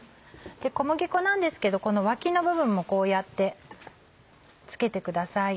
小麦粉なんですけどこの脇の部分もこうやって付けてください。